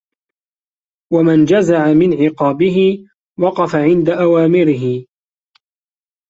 وَمَنْ جَزَعَ مِنْ عِقَابِهِ وَقَفَ عِنْدَ أَوَامِرِهِ